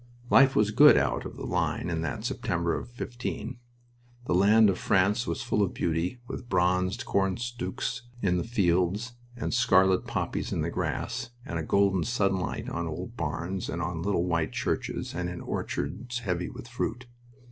Life was good out of the line in that September of '15. The land of France was full of beauty, with bronzed corn stooks in the fields, and scarlet poppies in the grass, and a golden sunlight on old barns and on little white churches and in orchards heavy with fruit.